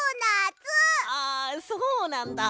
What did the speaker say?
あそうなんだ。